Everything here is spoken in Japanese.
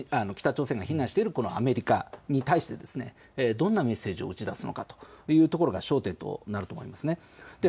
北朝鮮が非難しているアメリカに対して、どんなメッセージを打ち出すのかというところが焦点となると思います。